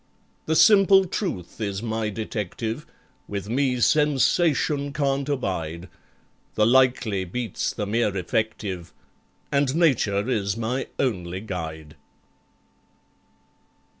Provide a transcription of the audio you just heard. The simple Truth is my detective, With me Sensation can't abide; The Likely beats the mere Effective, And Nature is my only guide.